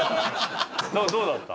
どうだった？